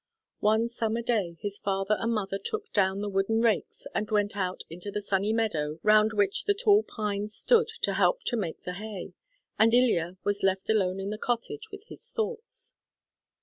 One summer day his father and mother took down the wooden rakes and went out into the sunny meadow round which the tall pines stood to help to make the hay; and Ilya was left alone in the cottage with his thoughts.